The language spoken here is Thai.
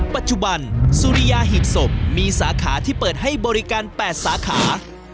ปัจจุบันสุริยาหีบศพมีสาขาที่เปิดให้บริการ๘สาขา